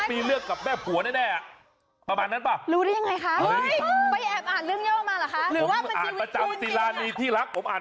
มีความสุขหิ้นทุกวัน